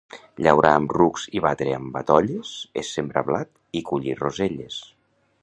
Llaurar amb rucs i batre amb batolles és sembrar blat i collir roselles.